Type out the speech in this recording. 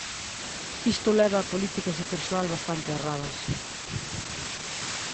Isto leva a políticas de persoal bastante erradas.